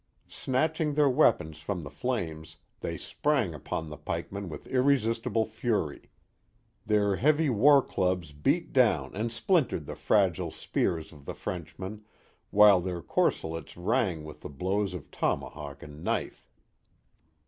Snatching their weapons from the flames, they sprang upon the pikemen with irresistible fury. Their heavy war clubs beat down and splintered the fragile spears of the Frenchmen, while their corselets rang with the blows of tomahawk and knife.